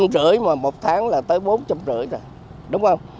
một trăm linh rưỡi mà một tháng là tới bốn trăm linh rưỡi rồi đúng không